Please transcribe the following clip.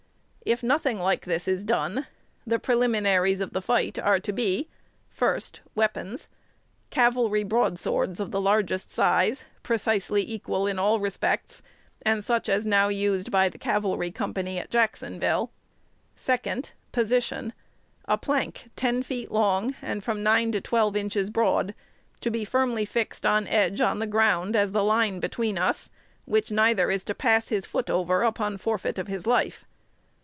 If nothing like this is done, the preliminaries of the fight are to be: 1st, Weapons. Cavalry broadswords of the largest size, precisely equal in all respects, and such as now used by the cavalry company at Jacksonville. 2d, Position. A plank ten feet long, and from nine to twelve inches broad, to be firmly fixed on edge on the ground as the line between us, which neither is to pass his foot over upon forfeit of his life.